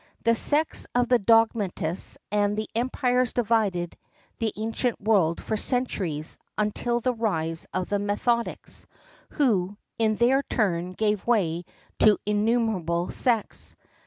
The sects of the dogmatists and the empirics divided the ancient world for centuries until the rise of the methodics, who in their turn gave way to innumerable sects.